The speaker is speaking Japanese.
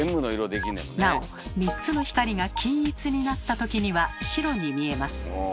なお３つの光が均一になった時には白に見えます。